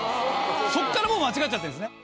そっから間違っちゃってんですね。